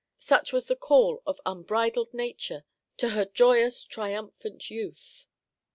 Such was the call of unbridled nature to her joyous, triumphant youth.